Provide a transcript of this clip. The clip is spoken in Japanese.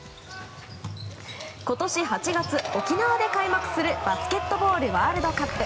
今年８月、沖縄で開幕するバスケットボールワールドカップ。